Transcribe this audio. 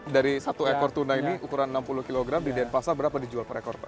dari satu ekor tuna ini ukuran enam puluh kg di denpasar berapa dijual per ekor pak